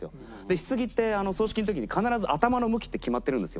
ひつぎって葬式の時に必ず頭の向きって決まってるんですよ